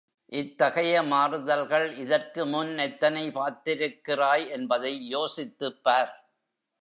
இத்தகைய மாறுதல்கள் இதற்குமுன் எத்தனை பார்த்திருக்கிறாய் என்பதை யோசித்துப்பார்.